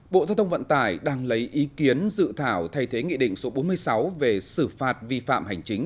bộ giao thông vận tải đang lấy ý kiến dự thảo thay thế nghị định số bốn mươi sáu về xử phạt vi phạm hành chính